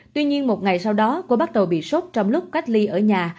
tuy nhiên một ngày sau đó cô bắt đầu bị sốt trong lúc cách ly ở nhà